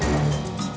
lari keluar pondok